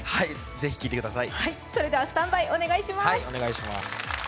ぜひ聴いてください。